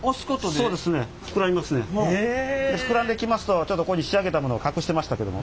そうですね。で膨らんできますとちょっとここに仕上げたものを隠してましたけども。